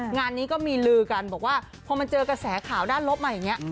งานนี้ก็มีลือกันบอกว่าพอมันเจอกระแสข่าวด้านลบมาอย่างนี้